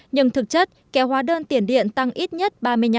nhưng thực chất kéo hóa đơn tiền điện tăng ít nhất ba mươi năm